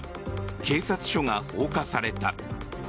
警察署が放火された。